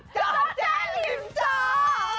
เจ้าแจ๊กลิ่มเจ้า